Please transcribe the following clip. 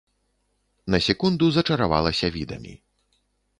На секунду зачаравалася відамі.